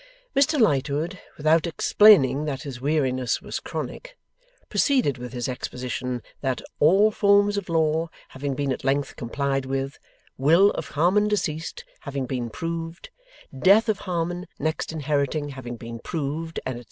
Mr Lightwood, without explaining that his weariness was chronic, proceeded with his exposition that, all forms of law having been at length complied with, will of Harmon deceased having been proved, death of Harmon next inheriting having been proved, &c.